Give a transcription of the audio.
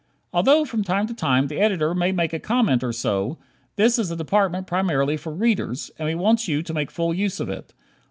Although from time to time the Editor may make a comment or so, this is a department primarily for Readers, and we want you to make full use of it.